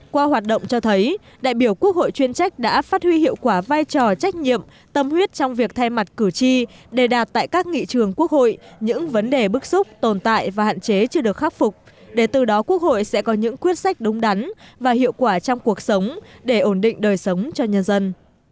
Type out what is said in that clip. qua hoạt động cho thấy đại biểu quốc hội chuyên trách đã phát huy hiệu quả vai trò trách nhiệm tâm huyết trong việc thay mặt cử tri để đạt tại các nghị trường quốc hội những vấn đề bức xúc tồn tại và hạn chế chưa được khắc phục để từ đó quốc hội sẽ có những quyết sách đúng đắn và hiệu quả trong cuộc sống để ổn định đời sống cho nhân dân